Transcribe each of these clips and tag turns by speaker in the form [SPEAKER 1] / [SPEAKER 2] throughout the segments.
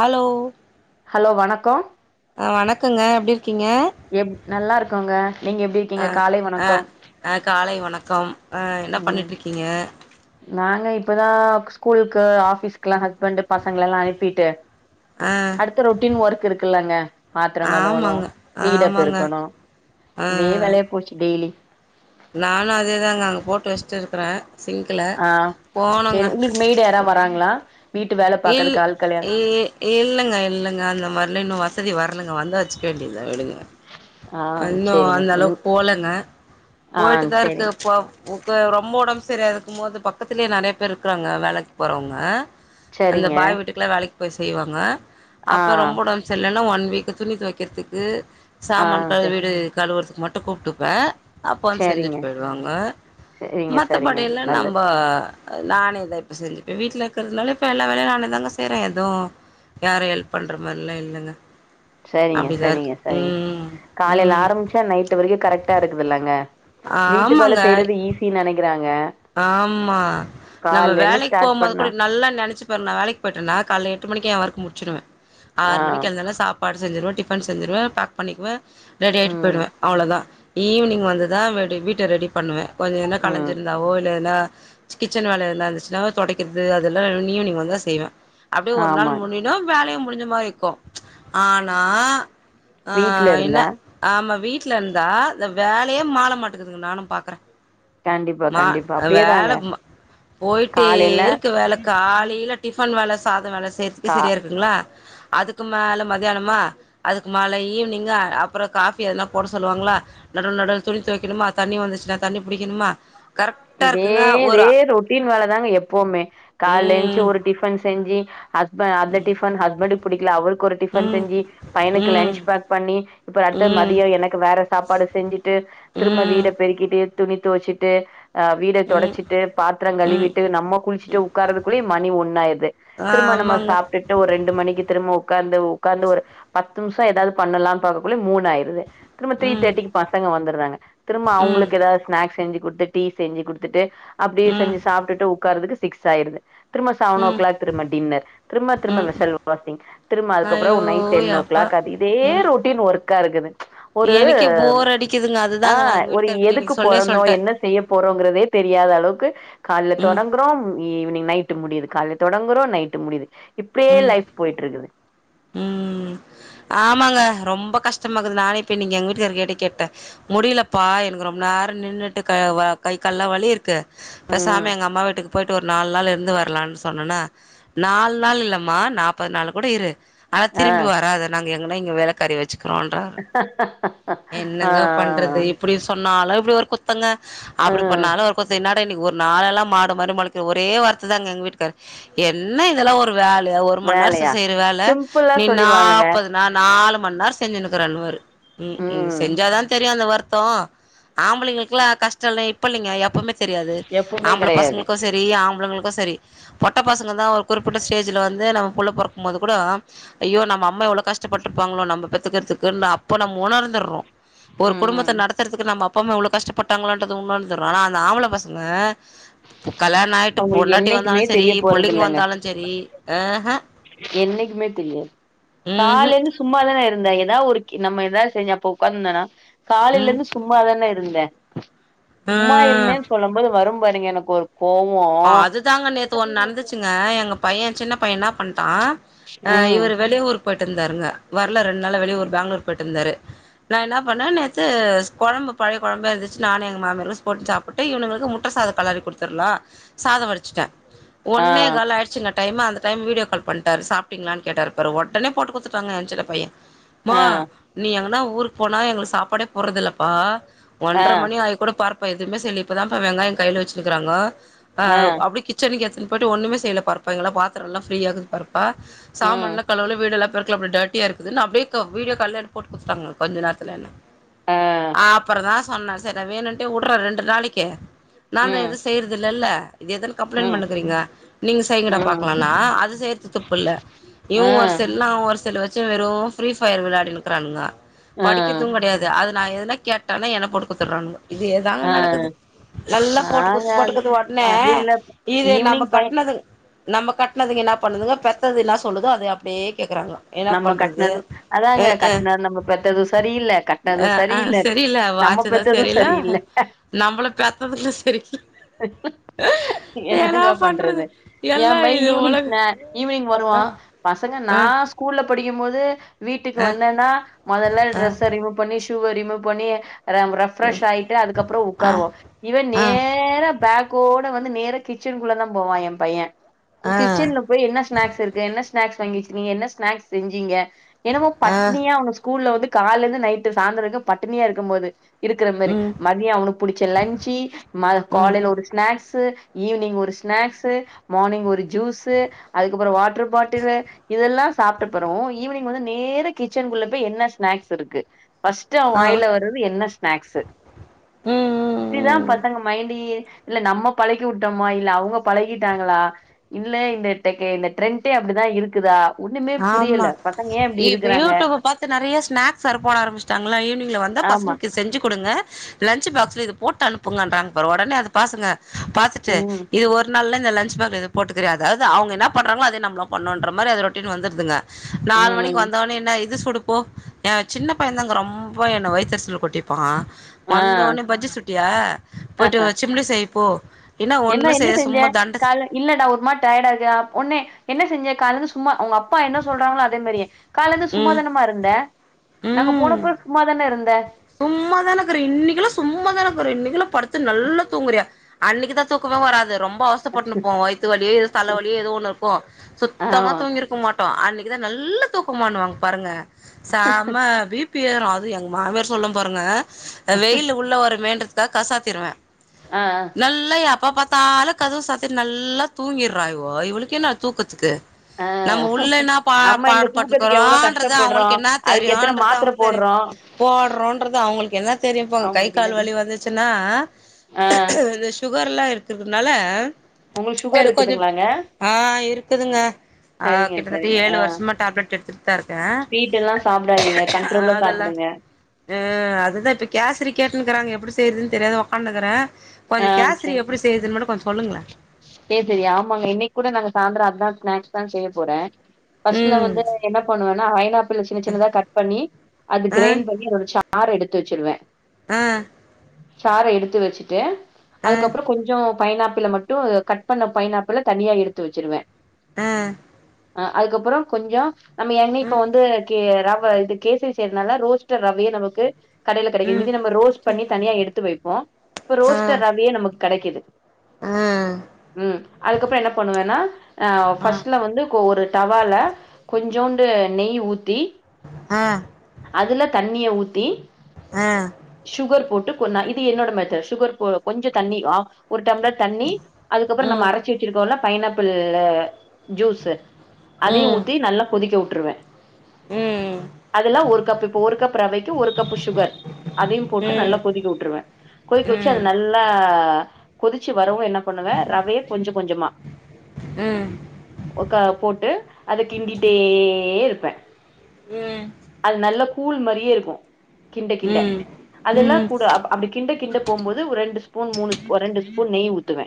[SPEAKER 1] Hello
[SPEAKER 2] hello வணக்கோ
[SPEAKER 1] ஆ வணக்கங்க எப்டி இருக்கீங்க
[SPEAKER 2] எப் நல்லா இருக்கோங்க நீங்க எப்டி
[SPEAKER 1] ஆ
[SPEAKER 2] இருக்கீங்க காலை
[SPEAKER 1] ஆ
[SPEAKER 2] வணக்கம்
[SPEAKER 1] ஆ காலை வணக்கம் ஆ என்ன
[SPEAKER 2] ம்
[SPEAKER 1] பண்ணிட்ருக்கீங்க
[SPEAKER 2] நாங்க இப்பதா ஸ்கூலுக்கு ஆஃபீஸ்க்குலா ஹஸ்பண்ட் பசங்கள எல்லா அனுப்பிட்டு
[SPEAKER 1] ஆ
[SPEAKER 2] அடுத்த ரொட்டீன் ஒர்க் இருக்குல்லங்க பாத்திர கழுவணு
[SPEAKER 1] ஆமாங்க
[SPEAKER 2] வீட
[SPEAKER 1] ஆமாங்க
[SPEAKER 2] பெருக்கனு
[SPEAKER 1] ஆ
[SPEAKER 2] இதே வேலையா போச்சி டெய்லி
[SPEAKER 1] நானு அதே தாங்க அங்க போட்டு வச்ட்டு இருக்கற
[SPEAKER 2] ஆ செரி உங்களுக்கு மெய்டு யாரா வாராங்களா வீட்டு வேல
[SPEAKER 1] இல்
[SPEAKER 2] பாக்கறக்கு ஆள்கள் யாரு
[SPEAKER 1] இ இல்லங்க இல்லங்க அந்த மாரிலா இன்னு வசதி வரலங்க வந்தா வச்சுக்க வேண்டியதா விடுங்க
[SPEAKER 2] ஆ
[SPEAKER 1] இன்னு
[SPEAKER 2] சேரிங்க
[SPEAKER 1] அந்த
[SPEAKER 2] ம்
[SPEAKER 1] அளவுக் போலங்க
[SPEAKER 2] ஆ
[SPEAKER 1] போயிட்டு தா இருக்கு
[SPEAKER 2] சேரிங்
[SPEAKER 1] போ உப்ப ரொம்ப ஒடம் செரியாதுக்கு போது பக்கத்துலயே நெறைய பேர் இருக்குறாங்க வேலைக்கு போறவங்க அந்த
[SPEAKER 2] சரிங்க
[SPEAKER 1] பாய் வீட்டுக்கெல்லா வேலைக்கு போய் செய்வாங்க
[SPEAKER 2] ஆ
[SPEAKER 1] அப்போ ரொம்ப உடம் சே இல்லன்னா ஒன் வீக் துணி தொவைக்கற்துக்கு
[SPEAKER 2] ஆ
[SPEAKER 1] சாமான்
[SPEAKER 2] சே
[SPEAKER 1] கழுவிடு கழுவுறதுக்கு மட் டு கூப்டுப்பே அப்ப வந்து செஞ்சிட்டு
[SPEAKER 2] சரிங்க
[SPEAKER 1] போய்டுவாங்க
[SPEAKER 2] சரிங்க சரிங்க
[SPEAKER 1] மத்தபடியெல்லா
[SPEAKER 2] நல்லது
[SPEAKER 1] நம்ப நானே தா இப்ப செஞ்சுப்பே வீட்ல இருக்கறதுனால இப்ப எல்லா வேலையு நானே தாங்க செய்ற எது யாரு ஹெல்ப் பண்ற மாரில்லா இல்லங்க
[SPEAKER 2] செரிங்க
[SPEAKER 1] அப்டிதா
[SPEAKER 2] செரிங்க
[SPEAKER 1] இருக்கு
[SPEAKER 2] செரிங்க
[SPEAKER 1] ம்
[SPEAKER 2] காலைல
[SPEAKER 1] ம்
[SPEAKER 2] ஆரம்பிச்சா நைட்டு வரைக்கு கரெக்டா இருக்குதில்லங்க வீட்டு வேல
[SPEAKER 1] ஆமாங்க.
[SPEAKER 2] செய்யறது ஈஸின் நெனைக்கிறாங்க
[SPEAKER 1] ஆமா நம்ம
[SPEAKER 2] கால்லருந்து
[SPEAKER 1] வேலைக்கு
[SPEAKER 2] ஸ்டார்ட்
[SPEAKER 1] போம்போது
[SPEAKER 2] பண்ணா
[SPEAKER 1] கூட நல்லா நெனச்சி பாரு நா வேலைக் போய்ட்டனா கால்ல எட்டு மணிக்கே ஏ வோர்க் முடிச்சிடுவே
[SPEAKER 2] ஆ.
[SPEAKER 1] ஆறு மணிக்கு எழுந்தனா சாப்பாடு செஞ்சிருவே டிபன் செஞ்சிருவே ப பண்ணிக்குவே ரெடி ஆயிட்டு
[SPEAKER 2] ம்.
[SPEAKER 1] போய்டுவே அவ்ளோதா ஈவினிங் வந்து தா வெடி வீட்ட ரெடி பண்ணுவே கொஞ்ச என்ன களஞ்சி
[SPEAKER 2] ம்.
[SPEAKER 1] இருந் தாவோ இல்ல என்னா கிச்சன் வேல எதுனா இருந்துச்சினா தொடைக்கிறது அதெல்லா ஈவினிங் வந்து தா செய்வே அப்டியே ஒரு நாள்
[SPEAKER 2] ஆமா.
[SPEAKER 1] முன்னினு வேலையு முடிஞ்சமாரி இருக்கு ஆனா ஆ
[SPEAKER 2] வீட்ல
[SPEAKER 1] இல்ல
[SPEAKER 2] இருந்தா
[SPEAKER 1] ஆமா வீட்ல இருந்தா இந்த வேலையே மால மாட்டேக்குதுங்க நானு பாக்கறே
[SPEAKER 2] கண்டிப்பா,
[SPEAKER 1] மா
[SPEAKER 2] கண்டிப்பா. அப்டியேதாங்க.
[SPEAKER 1] வேல போயிட்டே
[SPEAKER 2] காலையில
[SPEAKER 1] இருக்கு வேல காலைல டிஃபன் வேல சாத வேல செய்யறதுக்கே
[SPEAKER 2] கா
[SPEAKER 1] செரியா இருக்குங்ளா அதுக் கு மேல மதியானமா அதுக்கு மேல ஈவினிங்கா அப்றோ காபி எதுனா போட சொல்லுவாங்களா நடுவுல நடுவுல துணி தொவைக்கணுமா தண்ணி வந்துச்சுனா தண்ணி புடிக்கணுமா கரெக்டா
[SPEAKER 2] இதே
[SPEAKER 1] இருக்குங்க
[SPEAKER 2] இதே
[SPEAKER 1] ஒரு
[SPEAKER 2] ரொட்டீன் வேல தாங்க எப்பவுமே கால
[SPEAKER 1] ம்
[SPEAKER 2] எந்ச்சக ஒரு டிஃபன் செஞ்சி ஹஸ்ப அந்த டிஃபன் ஹஸ்பண்ட்க் புடிக்கல அவருக்கு ஒரு டிஃபன்
[SPEAKER 1] ம்
[SPEAKER 2] செஞ்சி பையனுக்கு
[SPEAKER 1] ம்
[SPEAKER 2] லன்ச் பேக் பண்ணி இப்ப அடுத்த
[SPEAKER 1] ம்
[SPEAKER 2] மதிய எனக்கு வேற சாப்பாடு செஞ்சிட்டு திரும்ப
[SPEAKER 1] ம்
[SPEAKER 2] வீட பெருக்கிட்டு துணி தொவச்சிட்டு அ வீட
[SPEAKER 1] ம்
[SPEAKER 2] தொடச்சிட்டு பாத்திர
[SPEAKER 1] ம்
[SPEAKER 2] கழுவிட்டு நம்ம குளிச்சிட்டு உக்காறதுக்குள்ளயே மணி ஒண்ணாயிருது
[SPEAKER 1] ஆ
[SPEAKER 2] திரும்ப நம்ம
[SPEAKER 1] ஆமாங்க
[SPEAKER 2] சாப்ட்டுட்டு ஒரு ரெண்டு மணிக்கு திரும்ப உக்காந்து உக்காந்து ஒரு பத்து நிம்ஷ ஏதாவது பண்ணலா பாக்ககுள்ள மூனு ஆயிருது திரும்ப த்ரீ
[SPEAKER 1] ம்
[SPEAKER 2] தேட்டிக்கு பசங்க வந்துறாங்க திரும்ப
[SPEAKER 1] ம்
[SPEAKER 2] அவுங்களுக் ஏதா ஸ்நாக்ஸ் செஞ்சி குடுத்து டீ செஞ்சி குடுத்துட்டு அப்டியே
[SPEAKER 1] ம்
[SPEAKER 2] செஞ்சி சாப்டுட்டு உக்காறதுக்கு சிக்ஸ் ஆயிருது திரும்ப செவன் ஓ
[SPEAKER 1] ம்
[SPEAKER 2] கிளாக் திரும்ப டின்னர் திரும்ப திரும்ப
[SPEAKER 1] ம்
[SPEAKER 2] வெசல் வாசிங் திரும்ப அதுக்கப்றோ
[SPEAKER 1] ஐயோ
[SPEAKER 2] ஒரு நைட் டென் ஓ
[SPEAKER 1] யப்பா
[SPEAKER 2] கிளாக் அது இதே
[SPEAKER 1] ம்
[SPEAKER 2] ரொட்டீன் ஒர்க்கா இருக்குது ஒரு
[SPEAKER 1] எனக்கே போர் அடிக்குதுங்க
[SPEAKER 2] ஆ
[SPEAKER 1] அதுதாங்க நா எங்க
[SPEAKER 2] ஒரு
[SPEAKER 1] வீட்டுக்கார்கிட்ட
[SPEAKER 2] எதுக்கு
[SPEAKER 1] இன்னைக்கு சொல்லே
[SPEAKER 2] பொறந்தோ
[SPEAKER 1] சொல்ட்டே
[SPEAKER 2] என்ன செய்ய போறோங்கறதே தெரியாத அளவுக்கு கால்ல
[SPEAKER 1] ம்
[SPEAKER 2] தொடங் குறோ ஈவ்னிங் நைட் முடியுது கால்ல தொடங்குறோ நைட் முடியிது இப்டியே
[SPEAKER 1] ம்
[SPEAKER 2] லைப் போய்ட்ருக்குது
[SPEAKER 1] ம் ஆமாங்க ரொம்ப கஷ்டமாக்குது நானே இப்ப நீங்க எங்க வீட்டுக்கார கிட்ட கேட்டே முடியலப்பா எனக்கு ரொம்ப நேர நின்னுட்டு க வ கை கால்லா வலி இருக் கு
[SPEAKER 2] ம்
[SPEAKER 1] பெசாம எங்க அம்மா வீட்டுக்கு போயிட்டு ஒரு நாலு நாள் இருந்து வரலான்னு சொன்னேனா நாலு நாள் இல்லம்மா நாப்பது நாள் கூட இரு ஆனா
[SPEAKER 2] ஆ
[SPEAKER 1] திரும்பி வராது நாங்க எங்கன்னா இங்க வேலைக்காரி வச்சுக்கறோ
[SPEAKER 2] ஆ ஆ
[SPEAKER 1] அப்டி சொன்னாலு இப்டி ஒரு குத்தங்க
[SPEAKER 2] ஆ ஆ
[SPEAKER 1] அப்டி பண்ணாலு ஒரு குத்த எனா இன்னைக்கு ஒரு நாலெல்லா மாடு மாரி மழிக்க ஒரே வார்த்த தாங்க எங்க வீட்டுக்காரு என்ன இதெல்லா ஒரு வேலயா ஒரு மண் நேர
[SPEAKER 2] வேலையா
[SPEAKER 1] செய்யற வேல
[SPEAKER 2] சிம்பிளா
[SPEAKER 1] நீ
[SPEAKER 2] சொல்லிருவாங்கங்க
[SPEAKER 1] நாப்பது நா நாலு மண் நேரோ செஞ்சுன்னுக்கிறேன்ன வாரு ம் ம் செஞ்சாதா தெரியு அந்த வருத்தோ ஆம்பளைங்களுக்குல்லா கஷ்ட இல்ல இப்ப இல்லங்க எப்பவுமே தெரியாது
[SPEAKER 2] எப்பவுமே
[SPEAKER 1] ஆம்பள
[SPEAKER 2] கெடையாது
[SPEAKER 1] பசங்களுக்கு சரி சரி ஆம்பளங்களுக்கு சரி பொட்டை பசங்க தா ஒரு குறிப்பிட்ட ஸ்டேஜல வந்து நம்ம புள்ள பொறக்கும் போது கூட ஐயோ நம்ம அம்மா எவ்ளோ கடப்பட்ருப்பாங்களோ நம்ம பெத் துகிறதுக்கு அப்ப நம்ம உணர்ந்துறோ ஒரு குடும்பத்த
[SPEAKER 2] ம்
[SPEAKER 1] நடத்துறதுக்கு நம்ம அப் பாம்மா இவ்ளோ கஸ்டப்பட்டாங்களன்றது ஒனந்துரோ ஆனா இந்த ஆம்பள பசங்க கல்யாண ஆயிட்டு
[SPEAKER 2] அவங்களுக்கு
[SPEAKER 1] பொண்டாட்டி வந்தாலு
[SPEAKER 2] என்னைக்குமே
[SPEAKER 1] சரி
[SPEAKER 2] தெரிய போறது
[SPEAKER 1] புள்ளைங்க
[SPEAKER 2] இல்லங்க
[SPEAKER 1] வந்தாலு சரி ஆஹா
[SPEAKER 2] என்னைக்குமே தெரியாது
[SPEAKER 1] ம்ஹூம்
[SPEAKER 2] காலன்னு சும்மாதானே இருந்தா ஏதாவது ஒரு கி நம்ம ஏதாவது செஞ்ச அப்போ உக்காந்துந்தனா காலயில
[SPEAKER 1] ம்
[SPEAKER 2] இருந்து சும்மாதான இருந்த சும்மா
[SPEAKER 1] ஆ
[SPEAKER 2] இருந்தேன்னு சொல்லும் போது வரும் பாருங்க எனக்கு ஒரு கோவோ
[SPEAKER 1] அ அதுதாங்க நேத்து ஒண்ணு நடந்துச்சுங்க எங்க பைய சின்ன பைய என்னா பண்டா
[SPEAKER 2] ம்
[SPEAKER 1] இவர் வெளியூருக்கு போயிட்டுருந்தாருங்க வரல ரெண்டு நாள வெளியூர் பேங்ளூர் போயிட்டுருந்தாரு நா என்னா பண்ணே நேத்து கொழம்பு பழைய கொழம்பு இருந்துச்சு நா எங்க மாமியாரு போட்டு சாப்பு ட்டு இவனுளுக்கு முட்ட சாத கலரி குடுத்துலா சாத வடிச்சுட்டே
[SPEAKER 2] ஆ
[SPEAKER 1] ஒன்னே கால் ஆயிடுச்சுங்க டைம் அந்த டைம் வீடியோ கால் பண்ணிட்டாரு சாப்ட்டிங்களான்னு கேட்டாரு பாரு ஒடனே போட்டு குத்துட்டாங்க எ சின்ன பைய மா
[SPEAKER 2] ஆ
[SPEAKER 1] நீ எங்கனா ஊருக்கு போனா எங்களுக்கு சாப்பாடே போடுறதில்லப்பா
[SPEAKER 2] ஆ
[SPEAKER 1] ஒன்ர மணி ஆய கூட பாருப்பா எதுவுமே சல்லி இப்பதாப்பா வெங்காயோ கயில வச்சினுருக்காங்கோ ஆ அப்டி கிச் சனுக்கு எத்துன்னு போய்ட்டு ஒன்னுமே செய்யல பாருப்பா எல்ல பாத்திரம்லா ஃப்ரியாகது பாரு பா
[SPEAKER 2] ம்
[SPEAKER 1] சாமன்ல்லா கலவுல வீடுல்லா பெருக்கல அப்டிடா எம்ட்டியா இருக்குதுன் அப்படியே வீடியோ கால்ல என்ன போட்டு குடுத்துட்டாங்க கொஞ்ச நேரத்து என்ன
[SPEAKER 2] ஆ
[SPEAKER 1] ஆப்பறந்தா சொன்ன சேரி வேணும்ட்டே விடுறா ரெண்டு நாளைக்கு நான்னு எது
[SPEAKER 2] ம்
[SPEAKER 1] செய்யறது இல்லல்ல இது எதுன்னு கம்ப்ளைண்ட்
[SPEAKER 2] ம்
[SPEAKER 1] பண்ணுக்குறீங்க நீங்க செய்ங்கடா
[SPEAKER 2] ம்
[SPEAKER 1] பாக்கலாம்னா அது செய்ரத்து துப்பு இல்ல இவ
[SPEAKER 2] ஆ
[SPEAKER 1] ஒரு செல்லு அவ ஒரு செல்லு வச்சு வெறு ஃப்ரீ பயர் விளாடி இருக்கிறானுங்க
[SPEAKER 2] ஆ
[SPEAKER 1] படிக்கறது கெடையாது அது நா எதுன கேட்டன்னா என்ன போட்டு குடுத்துறானுங்கோ இதேதாங்க
[SPEAKER 2] ஆ
[SPEAKER 1] நடக்குது நல்லா போட்டு
[SPEAKER 2] நாங்க
[SPEAKER 1] குடுத்து போட்டு குடுத்து வா ஆ
[SPEAKER 2] அப்டி இல்ல
[SPEAKER 1] இது நம்ம
[SPEAKER 2] ஈவினிங் பை
[SPEAKER 1] கட்ன து நம்ம கட்டனதுங்க என்ன பண்ணுதுங்க பெத்தது என்ன சொல்லுதோ அது அப்டியே கேக்குறாங்க என்னா
[SPEAKER 2] நம்ம
[SPEAKER 1] பண்றது
[SPEAKER 2] கட்னது அதாங்க கட்னது நம்ம பெத்ததும் சரியில்ல,
[SPEAKER 1] அ
[SPEAKER 2] கட்னதும்
[SPEAKER 1] ஆ
[SPEAKER 2] சரியில்ல.
[SPEAKER 1] சரியல்ல
[SPEAKER 2] நம்ம
[SPEAKER 1] வாய்சது
[SPEAKER 2] பெத்ததும்
[SPEAKER 1] சரியில்ல நம்மள பெத்தது சரியில்ல
[SPEAKER 2] [unintelligible] என்னங்க பண்றது எ
[SPEAKER 1] எல்லா
[SPEAKER 2] மயே
[SPEAKER 1] இது
[SPEAKER 2] ஈவினிங்
[SPEAKER 1] உலக
[SPEAKER 2] அ ஈவினிங் வருவா
[SPEAKER 1] அ
[SPEAKER 2] பசங்க நா
[SPEAKER 1] அ
[SPEAKER 2] ஸ்கூல்ல படிக்கும் போது வீட்டுக்கு
[SPEAKER 1] அ
[SPEAKER 2] வந்தேன்னா மொதல்ல
[SPEAKER 1] அ
[SPEAKER 2] ட்ரெஸ்ஸ ரிமூவ் பண்ணி ஷுவ ரிமூவ் பண்ணி ராம் ரஃ பிரெஷ் ஆயிட்டு அதுக்கப்றோ உக்காருவோ இவன்
[SPEAKER 1] அ
[SPEAKER 2] நேரா பேக் கோட வந்து நேரா கிச்சனுக்குள்ள தா போவா எ பையே
[SPEAKER 1] அ
[SPEAKER 2] கிச்சன்ல
[SPEAKER 1] அ
[SPEAKER 2] போய் என்ன ஸ்நாக்ஸ் இருக்கு என்ன ஸ்நாக்ஸ் வாங்கி வச்சிருக்கீங்க என்ன ஸ்நாக்ஸ் செஞ்சீங்க என்னமோ
[SPEAKER 1] அ
[SPEAKER 2] பட்னியா அவன ஸ்கூல்ல வந்து கால்லருந்து நைட்டு் சாயந்தரவரைக்கு பட்டினியா இருக்கும் போது இருக்கிற மாறி
[SPEAKER 1] ம்
[SPEAKER 2] மதியம் அவனு பிடிச்ச லன்சு
[SPEAKER 1] ம்
[SPEAKER 2] காலையில ஒரு ஸ்நாக்ஸ் து ஈவினிங் ஒரு ஸ்நாக்ஸ்சு மார்னிங் ஒரு ஜூஸ்சு அதுக்கப்றோ வாட்டர் பாட்டிலு இதெல்லா சாப்ட்ட அப்பறோ ஈவினிங் வந்து நேரா கிச்சன்க்குள்ள போயி என்ன ஸ்நாக்ஸ் இருக்கு ஃபர்ஸ்ட்டு அவ
[SPEAKER 1] ஆ
[SPEAKER 2] வாயிலவரது என்ன ஸ்நாக்ஸ்சு
[SPEAKER 1] ம் ம்
[SPEAKER 2] இப்டிதா
[SPEAKER 1] ம்
[SPEAKER 2] பசங்க மைண்ட்டயே இல்ல நம்ம பழக்கி உட்டோம்மா இல்ல அவங்க பழகிட்டாங்ளா இல்ல இந்த டெக்க இந்த ட்ரெண்டே அப்டிதா இருக்குதா ஒண்ணுமே
[SPEAKER 1] ஆமா
[SPEAKER 2] புரியல பட்
[SPEAKER 1] இப்ப யூடியூப் பாத்து நறையா ஸ்நாக்ஸ் வேற போட ஆரம்பிச்சிட்டாங்களா ஈவினிங்ல வந்தா
[SPEAKER 2] ஆமா
[SPEAKER 1] பசங்களுக்கு செஞ்சு குடுங்க லன்சு பாக்ஸ்ல இது போட்டு அனுப்புங்கன்றாங்க பார் உடனே அது பாசங்க பாத்துட்டு
[SPEAKER 2] ம்
[SPEAKER 1] இது ஒரு நல்லா இந்தலன்ச் பேக் எது போட்டுக்கிறா அதாவது அவுங்க என்னா பண்றாங்களோ அதே நம்ளும் பண்ணுன்ற மாறி அது ரொட்டின் வந்துருதுங்க நாலு மணிக்கு
[SPEAKER 2] ம்
[SPEAKER 1] வந்தவுட்னே என்ன இது சுடுப்போ என் சின்ன பையதாங்க ரொம்ப என்ன வயித்தெரிச்சல் கொட்டிப்பா
[SPEAKER 2] ஆ
[SPEAKER 1] வந்தோட்னே பஜ்ஜி சுட்டியா போயிட்டு சிம்லி செய் போ என்னா ஒன்னும் செய்ய சும்மா தண்டத்
[SPEAKER 2] இல்ல நா ஒரு மாறி டயர்ட்டா இருக்கே உட்னே என்ன செஞ்ச கால்லந்து சும்மா உங்க அப் பா என்ன சொல்றாங்களோ அதே மாறியே கால்லந்து
[SPEAKER 1] ம்
[SPEAKER 2] சும்மாதனமா இருந்த நாங்க போன
[SPEAKER 1] ம்
[SPEAKER 2] அப்றோ சும்மா தானே இருந்த
[SPEAKER 1] சும்மாதான இக்குற இன்னிக்கெல்லா சும்மாதான இக்கிற இன்னிக்கெல்லா படுத்து நல்லா தூங்குறியா அன்னைக்கு தா தூக்கமே வராது ரொம்ப அவ ஸ்தபட்னுருப்போ வயித்து வலியோ எதோ தல வலியோ ஏதோ ஒன்னு இருக்கு சுத்தமா
[SPEAKER 2] ஆமா
[SPEAKER 1] தூங்கிருக்க மாட் டோ அன்னைக்குதா நல்ல தூக்கமானுவாங்க பாருங்க செம்ம பி பி ஏறும் அதும் எங்க மாமியார் பொண்ணு பொறந்தா வெயிலு உள்ள வரு மேன்றதுக்கா கசாத்திருவேன்
[SPEAKER 2] ஆ
[SPEAKER 1] நல்லா எப்ப பாத்தாலு கதவு சாத்திட்டு நல்லா தூங்கிட்றா இவோ இவளுக் என்னா தூக்கத்துக்கு
[SPEAKER 2] ஆ
[SPEAKER 1] நம்ம உள்ள என்னா பா
[SPEAKER 2] நம்ம எங்க
[SPEAKER 1] பாடு
[SPEAKER 2] தூக்கத்துக்கு எவ்ளோ
[SPEAKER 1] பட்டுன்னுக்கிறோம்ன்றது
[SPEAKER 2] கஷ்டப்பட்றோ
[SPEAKER 1] அவங்களுக்கு என்ன
[SPEAKER 2] அதுக்கு எத்தன
[SPEAKER 1] தெரியும்ன்றது
[SPEAKER 2] மாத்திர
[SPEAKER 1] அவங்களுக்கு தெரியு
[SPEAKER 2] போட்றோ
[SPEAKER 1] போட்றோன்றது அவங்களுக்கு என்ன தெரியு போங்க கை
[SPEAKER 2] அவங்களுக்கு
[SPEAKER 1] கால்
[SPEAKER 2] என்னது
[SPEAKER 1] வலி வந்துச்சுன்னா
[SPEAKER 2] ஆ
[SPEAKER 1] ரெஸ் சுகர்லா இருக்கிறதுனால
[SPEAKER 2] உங்ளுக்கு சுகர் இருக்குதுங்களாங்க
[SPEAKER 1] ஆ இருக்குதுங்க ஆ
[SPEAKER 2] சரிங்க
[SPEAKER 1] கிட்டத்தட்ட
[SPEAKER 2] சரிங்க
[SPEAKER 1] ஏழு
[SPEAKER 2] ஆ
[SPEAKER 1] வருஷமா டாப்லெட் எடுத்துட்டு தா இருக்கே
[SPEAKER 2] ஸ்வீட் எல்லா சாப்டாதீங்க கண்ட்ரோல்ல
[SPEAKER 1] அதெல்லா
[SPEAKER 2] சாப்டுங்க
[SPEAKER 1] அ அதுதா இப்ப கேசரி கேட்டுனுருக்காங்க எப்பிடி செய்யுறதுன்னு தெரியாத ஒக்காண்டுருக்குறே
[SPEAKER 2] ஆ
[SPEAKER 1] கொஞ்சோ கேசரி எப்பிடி செய்றதுன்னு மட்டும் கொஞ்சோ சொல்லுங்களே
[SPEAKER 2] சேரி சேரி ஆமாங்க இன்னிக்கு கூட நாங்க சாய்ந்தரம் அத்தா ஸ்நாக்ஸ் தா செய்யப் போறே ஃபர்ஸ்ட்ல
[SPEAKER 1] ம்
[SPEAKER 2] வந்து என்ன பண்ணுவேன்னா வயனப் சின்ன சின்னதா கட் பண்ணி அது
[SPEAKER 1] ஆ
[SPEAKER 2] கிரைண்ட் பண்ணி அதோட சாரு எடுத்து வச்சிருவே
[SPEAKER 1] அ
[SPEAKER 2] சார எடுத்து வச்சுட்டு
[SPEAKER 1] ஆ
[SPEAKER 2] அதுக்கப்புறோ கொஞ்சோ பைனாப்பிள மட்டு கட் பண்ண பைனாப்பிள தனியா எடுத்து வச்சிருவே
[SPEAKER 1] அ
[SPEAKER 2] அ அதுக்கப்புறோ கொஞ்சோ நம்ம எண்ணெய இப்ப
[SPEAKER 1] ம்
[SPEAKER 2] வந்து கே ரவ இது கேசரி செய்யறதுனால ரோஸ்டர் ரவைய நமக்கு கடைல கெடைக்குது
[SPEAKER 1] ம்
[SPEAKER 2] இது நம்ம ரோஸ்ட் பண்ணி தனியா எடுத்து வைப்போ இப்போ
[SPEAKER 1] ஆ
[SPEAKER 2] ரோஸ்டட் ரவையே நமக் கெடைக்குது
[SPEAKER 1] ஆ
[SPEAKER 2] ம் அதுக்கப்றோ என்ன பண்ணுவேன்னா அ
[SPEAKER 1] ஆ
[SPEAKER 2] ஃபஸ்ட்ல வந்து கோ ஒரு டவால கொஞ்சோண்டு நெய் ஊத்தி
[SPEAKER 1] ஆ
[SPEAKER 2] அதுல தண்ணிய ஊத்தி
[SPEAKER 1] ஆ
[SPEAKER 2] சுகர் போட்டு கொன் நே இது என்னோட மெத்தட்ஸ் சுகர் போ கொஞ்சோ தண்ணி ஆஃப் ஒரு டம்ளர் தண்ணி அதுக்கப்றோ நம்ம
[SPEAKER 1] ம்
[SPEAKER 2] அரச்சி வெச்சிருக்கோல பைனாப்பிள் ஜூஸ் அதயு
[SPEAKER 1] ம்
[SPEAKER 2] ஊத்தி நல்லா கொதிக்க உட்ருவே
[SPEAKER 1] ம்
[SPEAKER 2] அதெல்லா ஒரு கப்பு இப்போ ஒரு கப்பு ரவைக்கு ஒரு கப்பு சுகர் அதையு
[SPEAKER 1] ம்
[SPEAKER 2] போட்டு நல்லா
[SPEAKER 1] ம்
[SPEAKER 2] கொதிக்க உட்டுருவே கொதிக்க வெச்சி அது நல்லா கொதிச்சி வரவு என்ன பண்ணுவே ரவையக் கொஞ்ச கொஞ்சமா
[SPEAKER 1] ம் ம்
[SPEAKER 2] ஒருக்கா போட்டு அத கிண்டிட்டே இருப்பே அது நல்ல கூழ் மாரியே இருக்கு கிண்டக் கிண்ட
[SPEAKER 1] ம்
[SPEAKER 2] அதெல்லா கூட அப் அப்டி கிண்டக் கிண்ட போம்போ து ஒரு ரெண்டு ஸ்பூன் மூணு ஸ் ரெண்டு ஸ்பூன் நெய் ஊத்துவே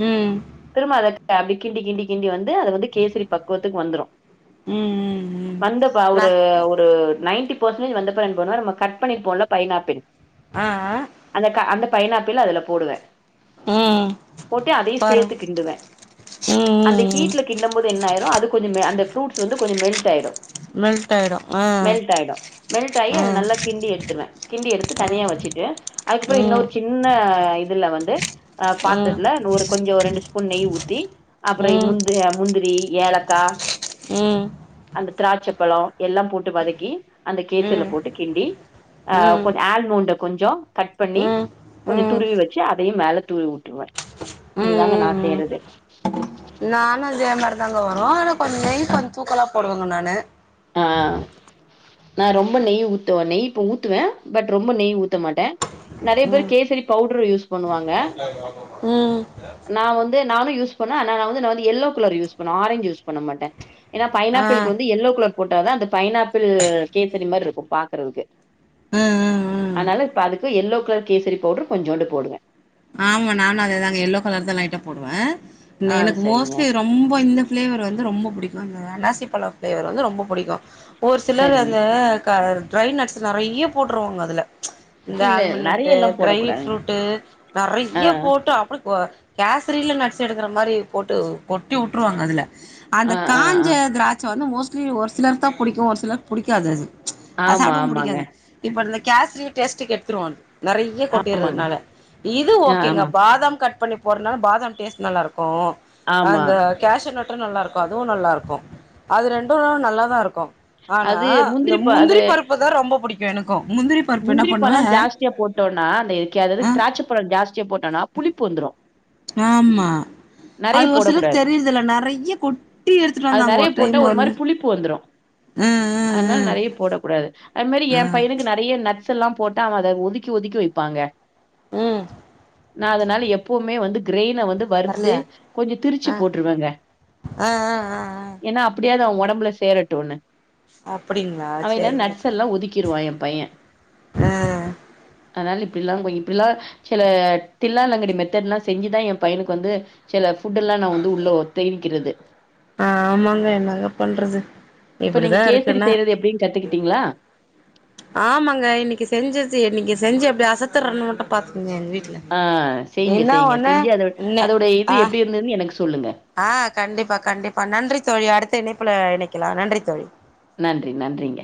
[SPEAKER 1] ம்
[SPEAKER 2] திரும்ப அத அப்பிடி கிண்டி கிண்டி கிண்டி வந்து அத வந்து கேசரி பக்குவத்துக்கு வந்துரு
[SPEAKER 1] ம் ம்
[SPEAKER 2] வந்தப் ப
[SPEAKER 1] ல
[SPEAKER 2] ஒரு ஒரு நைன்ட்டி பர்சன்டேஜ் வந்தப்ற என்ன பண்ணுவே நம்ம கட் பண்ணிருப்போல்ல பைனாப்பிள்
[SPEAKER 1] ஆ அ
[SPEAKER 2] அந்த க அந்த பைனாப்பிள அதுல போடுவே
[SPEAKER 1] ம்
[SPEAKER 2] போட்டு அதயு
[SPEAKER 1] பாரு
[SPEAKER 2] சேத்து கிண்டுவே
[SPEAKER 1] ம்
[SPEAKER 2] அந்த
[SPEAKER 1] ம் ம்
[SPEAKER 2] ஹீட்ல கிண்டம் போது என்னாயிரு அது கொஞ்சோ மே அந்த ஃப்ரூட்ஸ் வந்து கொஞ்சோ மெல்ட் ஆயிரு
[SPEAKER 1] மெல்ட்டாயிரு அ
[SPEAKER 2] மெல்ட்டாயி அது நல்லா கிண்டி எடுத்துருவே கிண்டி எடுத்து
[SPEAKER 1] ஆ
[SPEAKER 2] தனியா வெச்சிட்டு அதுக்கப்றோ
[SPEAKER 1] ம்
[SPEAKER 2] இன்னோரு சின்ன இதுல வந்து ஆ
[SPEAKER 1] ம் ம்
[SPEAKER 2] பாத்தர்த்துல நூறு கொஞ்சோ ரெண்டு ஸ்பூன் நெய் ஊத்தி அப்றோ இ
[SPEAKER 1] ம் ம்
[SPEAKER 2] முந் து அ முந்திரி ஏலக்கா
[SPEAKER 1] ம்
[SPEAKER 2] அந்த திராட்சப்பழோ எல்லா போட்டு வதக்கி அந்த கேசரில
[SPEAKER 1] ம்
[SPEAKER 2] போட்டு கிண்டி ஆ கொஞ்சோ ஆல்மோண்ட கொஞ்சோ கட் பண்ணி
[SPEAKER 1] ம் ம்
[SPEAKER 2] கொஞ்சோ
[SPEAKER 1] ம்
[SPEAKER 2] துருவி வெச்சு அதயு மேல தூவி உட்ருவே இதுதாங்க நா
[SPEAKER 1] ம்
[SPEAKER 2] செய்றது
[SPEAKER 1] நானு அதே மாரி தாங்க வரு ஆனா கொஞ்சோ நெய் கொஞ்சோ தூக்கலாப் போடுவங்க நானு
[SPEAKER 2] ஆ நா ரொம்போ நெய் ஊத்துவே நெய் இப்ப ஊத்துவே பட் ரொம்போ நெய் ஊத்த மாட்டே நெறைய பேரு
[SPEAKER 1] ம்
[SPEAKER 2] கேசரி பவுட்ரு யூஸ் பண்ணுவாங்க
[SPEAKER 1] ம்
[SPEAKER 2] நா வந்து நானு யூஸ் பண்ணுவே ஆனா நா வந்து நா வந்து எல்லோ கலர் யூஸ் பண்ணுவே ஆரஞ்ச் யூஸ் பண்ண மாட்டே ஏனா
[SPEAKER 1] ஆ
[SPEAKER 2] பைனாப்பிளுக்கு வந்து எல்லோ கலர் போட்டாதா அந்த பைனாப்பிள் கேசரி மாரிருக்கு பாக்கறக்கு
[SPEAKER 1] அ
[SPEAKER 2] அதுனால இப்ப அதுக்கு எல்லோ கலர் கேசரி பவுட்ரு கொஞ்சோண்டு போடுவே
[SPEAKER 1] ஆமா நானு அதேதாங்க எல்லோ கலர் தா லைட்டா போடுவே
[SPEAKER 2] ஆ
[SPEAKER 1] எனக்கு
[SPEAKER 2] சரிங்க
[SPEAKER 1] மோஸ்ட்லி ரொ ம்போ இந்த ஃப்ளேவர் வந்து ரொம்போ புடிக்கு இந்த அன்னாசி பழ ஃப்ளேவர் வந்து ரொம்ப புடிக்கு ஒர் சிலர்
[SPEAKER 2] சரிங்க
[SPEAKER 1] அந்த க ட்ரை நட்ஸ் நெறைய்ய போட்ருவாங்க அதுல இந்த
[SPEAKER 2] இல்ல
[SPEAKER 1] ஆல்மண்ட் நட்டு
[SPEAKER 2] நெறைய எல்லா
[SPEAKER 1] ட்ரை
[SPEAKER 2] போடக்கூடாதுங்க
[SPEAKER 1] ஃப்ரூட்டு
[SPEAKER 2] ஆ
[SPEAKER 1] நெறைய்ய போட் வுட்டா அப்டி கொ கேசரில நட்ஸ் எடுக்குற மாரி போட்டு கொட்டி வுட்ருவாங்க அதுல அந்த
[SPEAKER 2] ஆ ஆ
[SPEAKER 1] காஞ்ச
[SPEAKER 2] ஆ
[SPEAKER 1] திராட்ச வந்து மோஸ்ட்லி ஒரு சிலர் தா புடிக்கு ஒரு சிலர் புடிக்காது அது அது
[SPEAKER 2] ஆமா
[SPEAKER 1] சாப்டவு
[SPEAKER 2] ஆமாங்க
[SPEAKER 1] புடிக்காது இப்ப இந்த கேஸ்ரி டேஸ்ட்டுக்கு கெடுத்துருவன் நெறைய்ய
[SPEAKER 2] ஆமாங்க
[SPEAKER 1] கொட்டிறதுனால இது
[SPEAKER 2] ஆ ஆமா
[SPEAKER 1] ஓகேங்கப்பா பாதாம் கட் பண்ணி போறதுனால பாதாம் டேஸ்ட் நல்லாருக்கு
[SPEAKER 2] ஆமா
[SPEAKER 1] அந்த கேஷ்யு நட்டு நல்லாருக்கு அதுவு நல்லாருக்கு அது ரெண்டு நல்லாதா இருக்கு ஆனா
[SPEAKER 2] அது
[SPEAKER 1] இந்த
[SPEAKER 2] ப அது
[SPEAKER 1] முந்திரி பருப்பு தா ரொம்ப புடிக்கு எனக்கு முந்திரி பருப்பு என்ன
[SPEAKER 2] முந்திரிப் பழ
[SPEAKER 1] பண்ணுவே
[SPEAKER 2] ஜாஸ்தியா போட்டோன்னா அந்த கெ அதாது
[SPEAKER 1] ஆ
[SPEAKER 2] திராட்சப் பழ ஜாஸ்தியா போட்டோன்னா புளிப்பு வந்துரு
[SPEAKER 1] ஆமா அது ஒரு சிலருக்கு
[SPEAKER 2] போடக்கூடாது
[SPEAKER 1] தெரியுறதில்ல நெறைய கொட்டி எடுத்துட்டு
[SPEAKER 2] அது
[SPEAKER 1] வந்தாங்க
[SPEAKER 2] நெறைய
[SPEAKER 1] ஒரு
[SPEAKER 2] போட்டா
[SPEAKER 1] டைம் வந்து
[SPEAKER 2] மாரி புளிப்பு வந்துரும்
[SPEAKER 1] ம்
[SPEAKER 2] அதனால
[SPEAKER 1] ம்
[SPEAKER 2] நெறையப் போடக் கூடாது அது மாரி
[SPEAKER 1] ம்
[SPEAKER 2] ஏ
[SPEAKER 1] ம்
[SPEAKER 2] பையனுக்கு நெறைய நட்ஸ் எல்லா போட்டா அவ அத ஒதுக்கி ஒதுக்கி வைப்பாங்க
[SPEAKER 1] ம்
[SPEAKER 2] நா அதுனால எப்போமே வந்து கிரெயின வந்து வறுத்து
[SPEAKER 1] வரலையா
[SPEAKER 2] கொஞ்ச திருச்சு
[SPEAKER 1] ஆ
[SPEAKER 2] போட்ருவேங்க
[SPEAKER 1] ஆ ஆ ஆ ஆ
[SPEAKER 2] ஏன்னா அப் டியாது அவ ஒடம்புல சேரட்டுன்னு
[SPEAKER 1] அப்டிங்களா
[SPEAKER 2] அவ இல்லன்
[SPEAKER 1] சேரிங்க சேரி
[SPEAKER 2] நட்ஸ்ஸெல்லா ஒதுக்கிருவா ஏம் பையே அதுனால இப்டில்லா போய் இப்பிலா சில தில்லாலங்கடி மெத்தட்லா செஞ்சுதா ஏம் பையனுக்கு வந்து சில ஃபுட் எல்லா நா வந்து உள்ளத் தெரிக்கிறது
[SPEAKER 1] ஆமாங்க என்னங்க பண்றது
[SPEAKER 2] இப்ப நீங்க
[SPEAKER 1] இப்டிதா
[SPEAKER 2] கேசரி
[SPEAKER 1] இருக்குன்னா
[SPEAKER 2] செய்யறது எப்டின் கத்துக்கிட்டீங்களா
[SPEAKER 1] ஆமாங்க இன்னைக்கி செஞ்சது இன்னைக்கி செஞ்சு எப்டி அசத்துறன்னு மட்டு பாத்துக்கங்க எங்க வீட்
[SPEAKER 2] அ செய்ங்க செய்ங்க செஞ்சு அதோட அதோட இது எப்டி இருந்ததுன் எனக்கு சொல்லுங்க
[SPEAKER 1] அ கண்டிப்பா கண்டிப்பா நன்றி தோழி அடுத்த இணைப்புல இணைக்கலா நன்றி தோழி
[SPEAKER 2] நன்றி நன்றிங்க